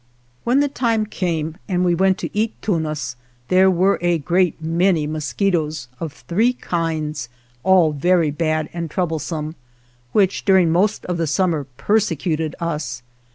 When the time came, and we went to eat tunas, there were a great many mosquitoes of three kinds, all very bad and troublesome, which during most of the summer perse cuted us.